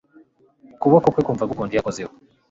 Ukuboko kwe kumva gukonje iyo ukozeho